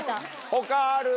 他ある？